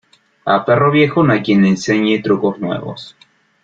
A perro viejo, no hay quien le enseñe trucos nuevos.